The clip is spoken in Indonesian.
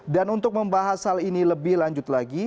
dan untuk membahas hal ini lebih lanjut lagi